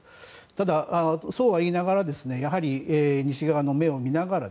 ただ、そうはいいながらやはり西側の目を見ながら